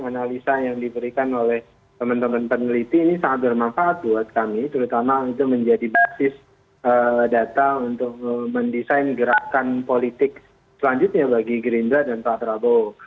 analisa yang diberikan oleh teman teman peneliti ini sangat bermanfaat buat kami terutama untuk menjadi basis data untuk mendesain gerakan politik selanjutnya bagi gerindra dan pak prabowo